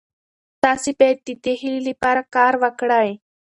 تاسي باید د دې هیلې لپاره کار وکړئ.